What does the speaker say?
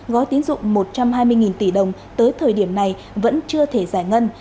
gói tín dụng một trăm hai mươi tỷ đồng tới thời điểm này vẫn chưa thể giải ngân